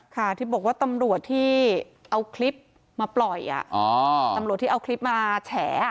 ค่ะที่บอกว่าตำรวจที่เอาคลิปมาปล่อยตำรวจที่เอาคลิปมาแฉ